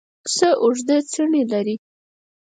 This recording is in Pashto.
پسه اوږده څڼې لري.